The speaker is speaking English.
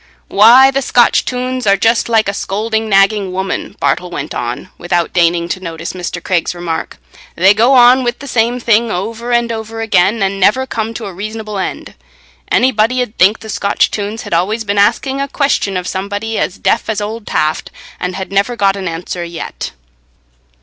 "Why, the Scotch tunes are just like a scolding, nagging woman," Bartle went on, without deigning to notice Mr. Craig's remark. "They go on with the same thing over and over again, and never come to a reasonable end. Anybody 'ud think the Scotch tunes had always been asking a question of somebody as deaf as old Taft, and had never got an answer yet."